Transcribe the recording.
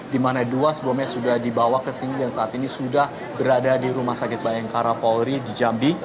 di mana dua sebelumnya sudah dibawa ke sini dan saat ini sudah berada di rumah sakit bayangkara polri di jambi